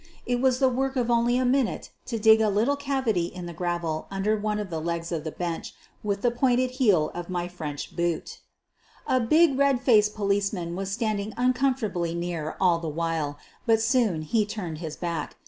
It was the work of only a minute to dig a little cavity in the gravel under one of the legs of the bench with the pointed heel QUEEN OF. THE BURGLARS 243 of my French boot. A big red faced policeman was standing uncomfortably near all the while, but soon he turned his back.